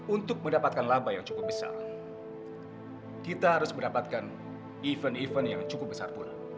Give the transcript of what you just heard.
untuk mendapatkan laba yang cukup besar kita harus mendapatkan event event yang cukup besar pun